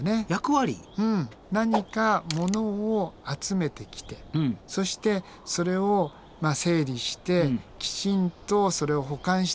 うん何かものを集めてきてそしてそれを整理してきちんとそれを保管していく。